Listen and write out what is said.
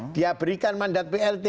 dia berikan mandat plt